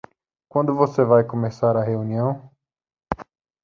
Quando você vai começar a reunião?